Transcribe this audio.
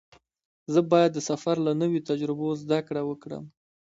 زه باید د سفر له نویو تجربو زده کړه وکړم.